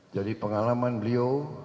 jadi pengalaman beliau